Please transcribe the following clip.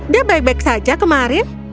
dia baik baik saja kemarin